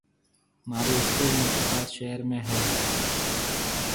مهارِي اسڪول ميرپورخاص شهر ۾ هيَ۔